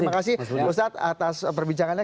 terima kasih ustadz atas perbincangannya